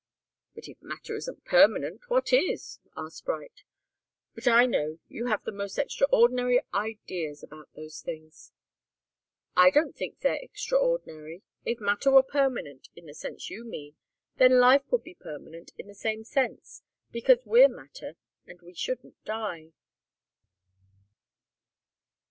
"But if matter isn't permanent, what is?" asked Bright. "But I know you have the most extraordinary ideas about those things." "I don't think they're extraordinary. If matter were permanent in the sense you mean, then life would be permanent in the same sense, because we're matter, and we shouldn't die."